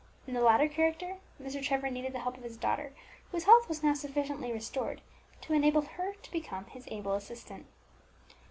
In the latter character Mr. Trevor needed the help of his daughter, whose health was now sufficiently restored to enable her to become his able assistant.